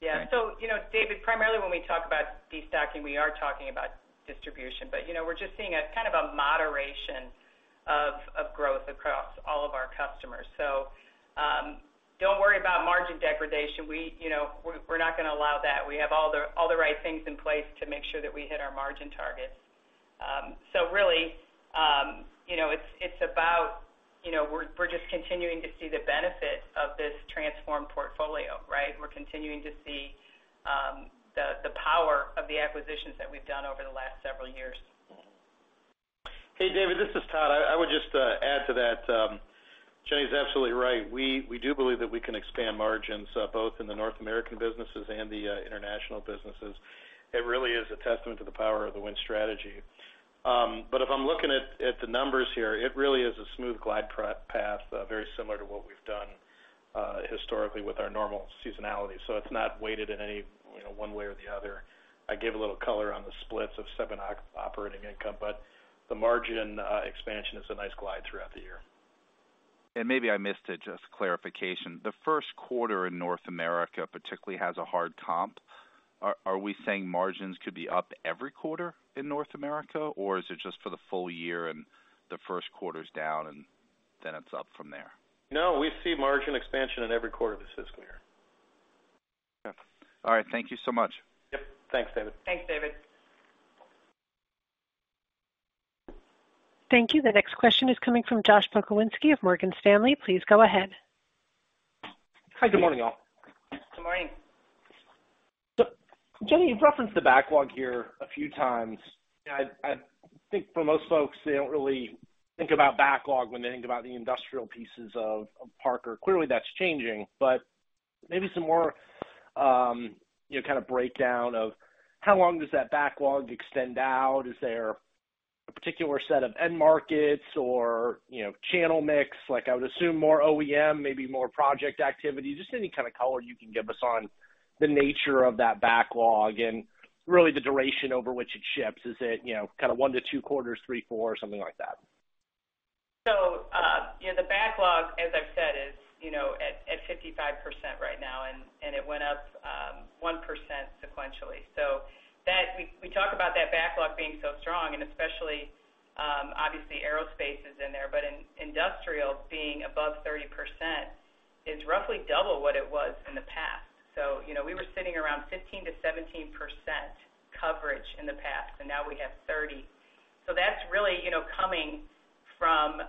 Yeah. Thanks. You know, David, primarily when we talk about destocking, we are talking about distribution. You know, we're just seeing a kind of a moderation of, of growth across all of our customers. Don't worry about margin degradation. We, you know, we're, we're not going to allow that. We have all the, all the right things in place to make sure that we hit our margin targets. Really, you know, it's, it's about, you know, we're, we're just continuing to see the benefit of this transformed portfolio, right? We're continuing to see, the, the power of the acquisitions that we've done over the last several years. Hey, David, this is Todd. I, I would just add to that. Jenny's absolutely right. We, we do believe that we can expand margins, both in the North American businesses and the international businesses. It really is a testament to the power of the Win Strategy. If I'm looking at the numbers here, it really is a smooth glide path, very similar to what we've done historically with our normal seasonality. So it's not weighted in any, you know, one way or the other. I gave a little color on the splits of seven operating income, but the margin expansion is a nice glide throughout the year. Maybe I missed it. Just clarification. The Q1 in North America, particularly, has a hard comp. Are we saying margins could be up every quarter in North America, or is it just for the full year and the Q1's down, and then it's up from there? No, we see margin expansion in every quarter of the fiscal year. Okay. All right. Thank you so much. Yep. Thanks, David. Thanks, David. Thank you. The next question is coming from Josh Pokrzywinski of Morgan Stanley. Please go ahead. Hi, good morning, y'all. Good morning. Jenny, you've referenced the backlog here a few times. I, I think for most folks, they don't really think about backlog when they think about the industrial pieces of Parker. Clearly, that's changing, but maybe some more, you know, kind of breakdown of how long does that backlog extend out? Is there a particular set of end markets or, you know, channel mix? Like I would assume more OEM, maybe more project activity. Just any kind of color you can give us on the nature of that backlog and really the duration over which it ships. Is it, you know, kind of one to two quarters, three, four, or something like that? You know, the backlog, as I've said, is, you know, at 55% right now, and it went up 1% sequentially. We talk about that backlog being so strong, and especially, obviously, Aerospace is in there, but in industrial being above 30% is roughly double what it was in the past. You know, we were sitting around 15%-17% coverage in the past, and now we have 30. That's really, you know, coming from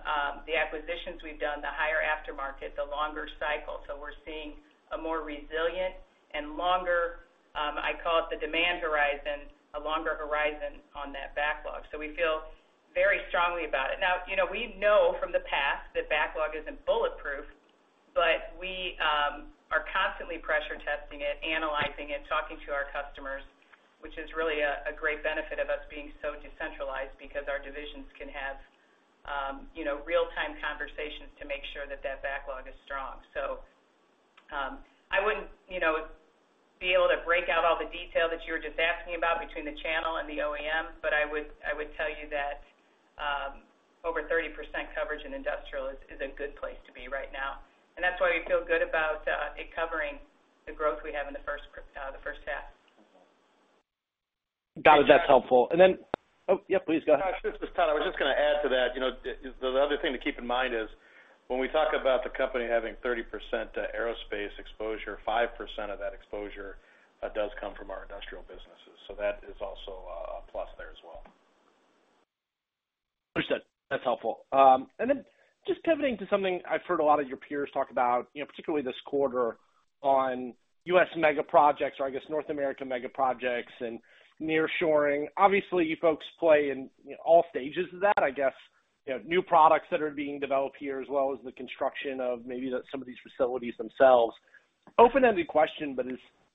the acquisitions we've done, the higher aftermarket, the longer cycle. We're seeing a more resilient and longer, I call it the demand horizon, a longer horizon on that backlog. We feel very strongly about it. You know, we know from the past that backlog isn't bulletproof, but we are constantly pressure testing it, analyzing it, talking to our customers, which is really a, a great benefit of us being so decentralized because our divisions can have, you know, real-time conversations to make sure that that backlog is strong. I wouldn't, you know, be able to break out all the detail that you were just asking about between the channel and the OEM, but I would, I would tell you that, over 30% coverage in industrial is, is a good place to be right now. That's why we feel good about it covering the growth we have in the first q- the first half. Got it. That's helpful. Oh, yeah, please go ahead. Josh, this is Todd. I was just going to add to that. You know, the other thing to keep in mind is, when we talk about the company having 30% Aerospace exposure, 5% of that exposure does come from our industrial businesses. That is also a plus there as well. Appreciate. That's helpful. Just pivoting to something I've heard a lot of your peers talk about, you know, particularly this quarter on U.S. mega projects, or I guess North American mega projects and nearshoring. Obviously, you folks play in, you know, all stages of that, I guess, you know, new products that are being developed here, as well as the construction of maybe the, some of these facilities themselves. Open-ended question,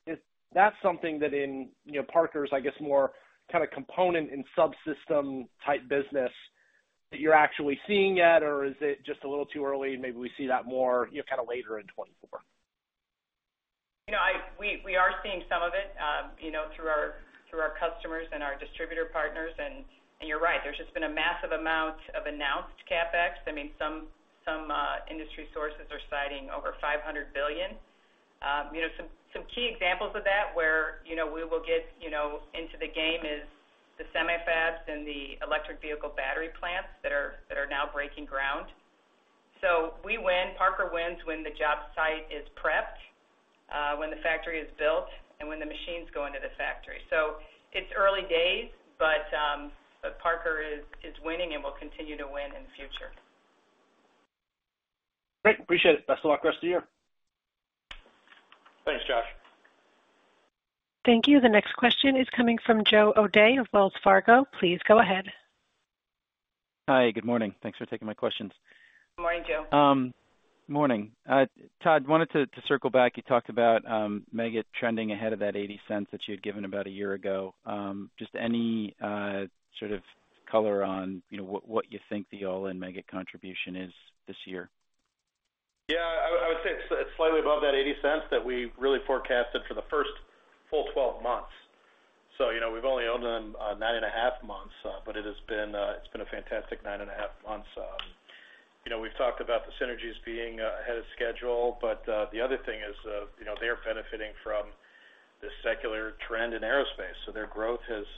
is that something that in, you know, Parker's, I guess, more kind of component and subsystem-type business that you're actually seeing yet, or is it just a little too early, and maybe we see that more, you know, kind of later in 2024? You know, we, we are seeing some of it, you know, through our, through our customers and our distributor partners. You're right, there's just been a massive amount of announced CapEx. I mean, some, some industry sources are citing over $500 billion. You know, some, some key examples of that, where, you know, we will get, you know, into the game is the semifabs and the electric vehicle battery plants that are, that are now breaking ground. We win, Parker wins when the job site is prepped, when the factory is built, and when the machines go into the factory. It's early days, Parker is, is winning and will continue to win in the future. Great. Appreciate it. Best of luck rest of the year. Thanks, Josh. Thank you. The next question is coming from Joe O'Dea of Wells Fargo. Please go ahead. Hi, good morning. Thanks for taking my questions. Good morning, Joe. Morning. Todd, wanted to circle back. You talked about Meggitt trending ahead of that $0.80 that you had given about a year ago. Just any sort of color on, you know, what you think the all-in Meggitt contribution is this year? Yeah, I would say it's, it's slightly above that $0.80 that we really forecasted for the first full 12 months. You know, we've only owned them, 9.5 months, but it has been, it's been a fantastic 9.5 months. You know, we've talked about the synergies being ahead of schedule, but the other thing is, you know, they're benefiting from this secular trend in Aerospace. Their growth has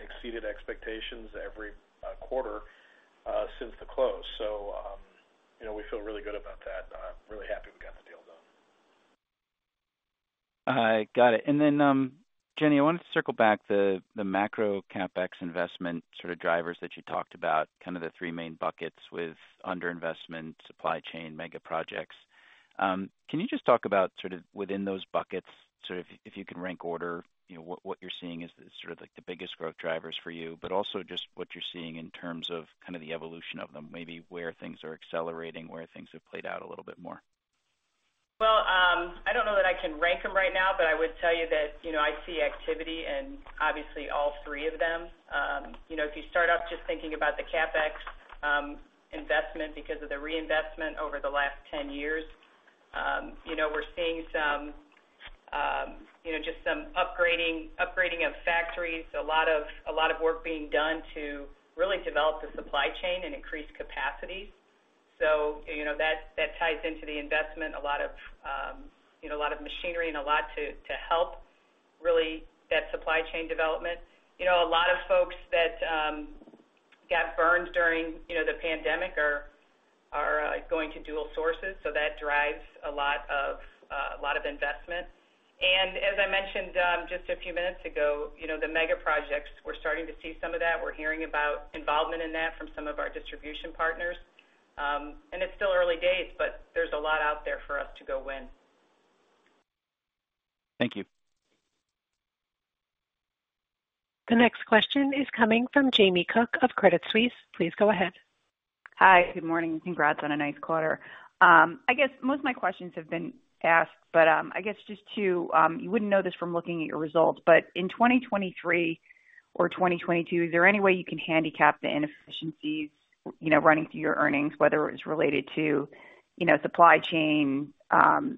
exceeded expectations every quarter since the close. You know, we feel really good about that, and I'm really happy we got the deal done. Got it. Then, Jenny, I wanted to circle back the, the macro CapEx investment sort of drivers that you talked about, kind of the three main buckets with under-investment, supply chain, mega projects. Can you just talk about sort of within those buckets, sort of if you can rank order, you know, what, what you're seeing as sort of, like, the biggest growth drivers for you, but also just what you're seeing in terms of kind of the evolution of them, maybe where things are accelerating, where things have played out a little bit more? Well, I don't know that I can rank them right now, but I would tell you that, you know, I see activity in obviously all three of them. You know, if you start off just thinking about the CapEx investment because of the reinvestment over the last 10 years, you know, we're seeing some, you know, just some upgrading, upgrading of factories, a lot of, a lot of work being done to really develop the supply chain and increase capacity. You know, that, that ties into the investment. A lot of, you know, a lot of machinery and a lot to, to help really that supply chain development. You know, a lot of folks that got burned during, you know, the pandemic are, are going to dual sources, so that drives a lot of, a lot of investment. As I mentioned, just a few minutes ago, you know, the mega projects, we're starting to see some of that. We're hearing about involvement in that from some of our distribution partners. It's still early days, but there's a lot out there for us to go win. Thank you. The next question is coming from Jamie Cook of Credit Suisse. Please go ahead. Hi, good morning. Congrats on a nice quarter. I guess most of my questions have been asked, but I guess just to- you wouldn't know this from looking at your results, but in 2023 or 2022, is there any way you can handicap the inefficiencies, you know, running through your earnings, whether it's related to, you know, supply chain,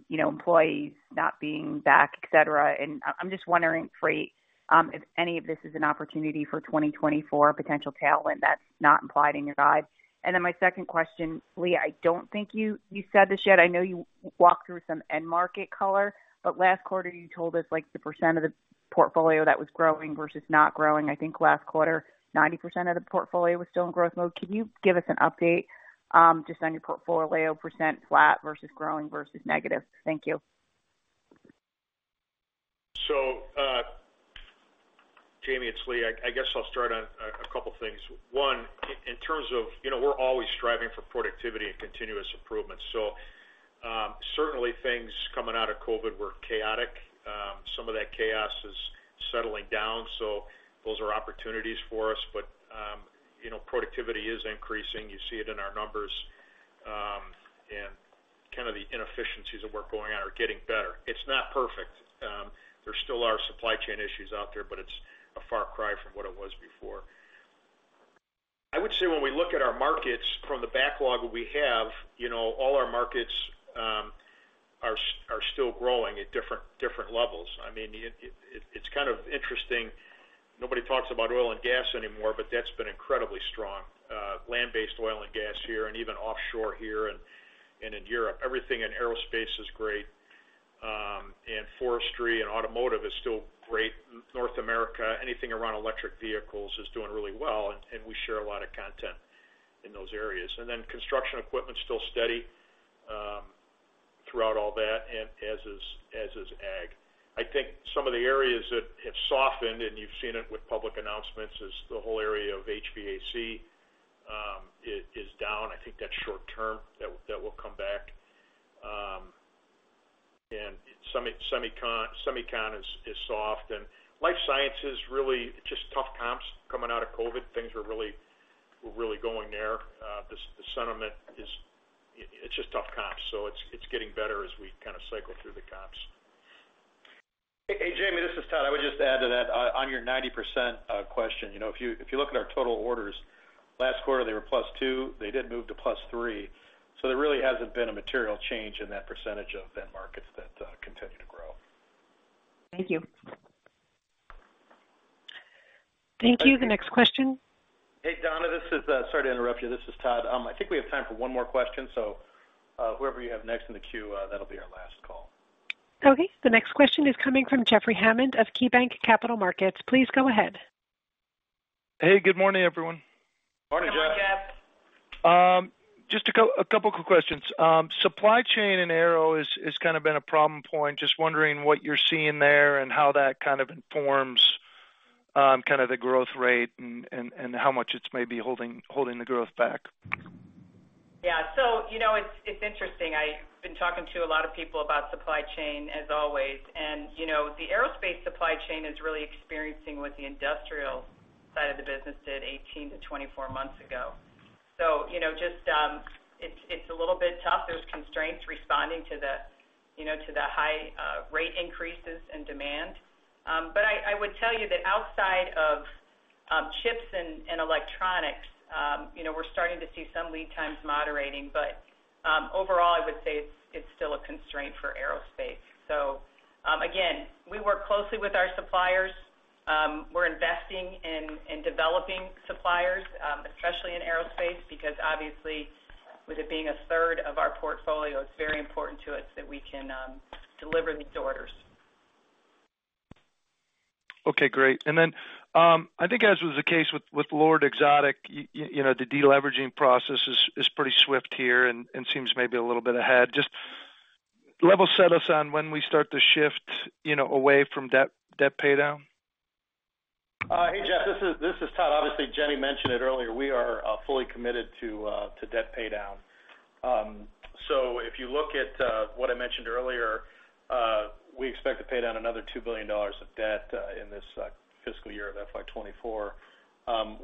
you know, employees not being back, et cetera? I'm just wondering for if any of this is an opportunity for 2024 potential tailwind that's not implied in your guide. My second question- Lee, I don't think you, you said this yet. I know you walked through some end market color, but last quarter, you told us, like, the percent of the portfolio that was growing versus not growing. I think last quarter, 90% of the portfolio was still in growth mode. Can you give us an update, just on your portfolio, % flat versus growing versus negative? Thank you. Jamie, it's Lee. I guess I'll start on a couple things. One, in terms of, you know, we're always striving for productivity and continuous improvement, certainly things coming out of COVID were chaotic. Some of that chaos is settling down, so those are opportunities for us. You know, productivity is increasing. You see it in our numbers, and kind of the inefficiencies that were going on are getting better. It's not perfect. There still are supply chain issues out there, but it's a far cry from what it was before. I would say when we look at our markets from the backlog we have, you know, all our markets, are s- are still growing at different, different levels. I mean, it, it, it's kind of interesting. Nobody talks about Oil and Gas anymore, but that's been incredibly strong. Land-based Oil and Gas here, and even offshore here and, and in Europe. Everything in Aerospace is great, and forestry and automotive is still great. North America, anything around electric vehicles is doing really well, and, and we share a lot of content in those areas. Construction equipment's still steady throughout all that, and as is, as is ag. I think some of the areas that have softened, and you've seen it with public announcements, is the whole area of HVAC, is, is down. I think that's short term. That, that will come back. Semicon is, is soft, and life sciences, really just tough comps coming out of COVID. Things were really, were really going there. The, the sentiment is, it's just tough comps, so it's getting better as we kind of cycle through the comps. Hey, Jamie, this is Todd. I would just add to that, on your 90% question, you know, if you, if you look at our total orders, last quarter, they were +2%. They did move to +3%, so there really hasn't been a material change in that percentage of end markets that continue to grow. Thank you. Thank you. The next question- Hey, Donna, this is- sorry to interrupt you, this is Todd. I think we have time for one more question, so whoever you have next in the queue, that'll be our last call. Okay. The next question is coming from Jeffrey Hammond of KeyBanc Capital Markets. Please go ahead. Hey, good morning, everyone. Morning, Jeff. Good morning, Jeff. Just a couple quick questions. Supply chain and Aero is, is kind of been a problem point. Just wondering what you're seeing there and how that kind of informs, kind of the growth rate and, and, and how much it's maybe holding, holding the growth back? Yeah. You know, it's, it's interesting. I've been talking to a lot of people about supply chain, as always. You know, the Aerospace supply chain is really experiencing what the industrial side of the business did 18-24 months ago. You know, just, it's, it's a little bit tough. There's constraints responding to the, you know, to the high rate increases in demand. I, I would tell you that outside of chips and electronics, you know, we're starting to see some lead times moderating. Overall, I would say it's, it's still a constraint for Aerospace. Again, we work closely with our suppliers. We're investing in, in developing suppliers, especially in Aerospace, because obviously, with it being a third of our portfolio, it's very important to us that we can deliver these orders. Okay, great. I think as was the case with, with LORD, Exotic, you know, the deleveraging process is, is pretty swift here and, and seems maybe a little bit ahead. Just level set us on when we start to shift, you know, away from debt, debt paydown. Hey, Jeff Miller, this is Todd. Obviously, Jenny mentioned it earlier: we are fully committed to debt paydown. If you look at what I mentioned earlier, we expect to pay down another $2 billion of debt in this fiscal year of FY '24.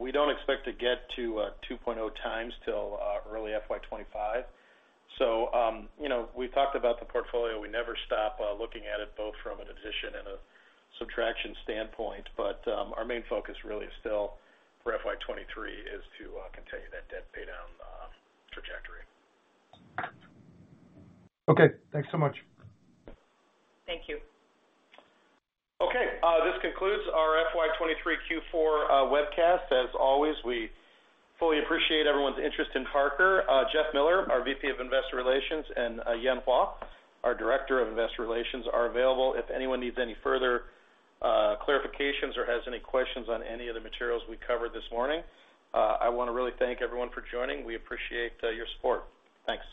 We don't expect to get to 2.0x till early FY '25. You know, we've talked about the portfolio. We never stop looking at it, both from an addition and a subtraction standpoint, but our main focus really is still, for FY '23, is to continue that debt paydown trajectory. Okay, thanks so much. Thank you. Okay, this concludes our FY '23 Q4 Webcast. As always, we fully appreciate everyone's interest in Parker. Jeff Miller, our VP of Investor Relations, and Yan Huo, our Director of Investor Relations, are available if anyone needs any further clarifications or has any questions on any of the materials we covered this morning. I want to really thank everyone for joining. We appreciate your support. Thanks.